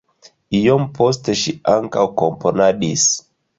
Iom poste ŝi ankaŭ komponadis.